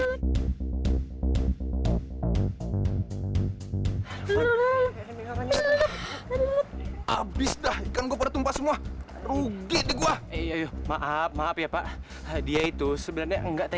habis dah ikan gopet umpah semua rugi gua iya maaf maaf ya pak dia itu sebenarnya enggak